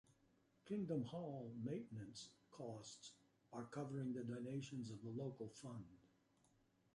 Kingdom Hall maintenance costs are covered by donations to a local fund.